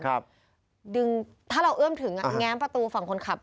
ดึงถ้าเราเอื้อมถึงแง้มประตูฝั่งคนขับ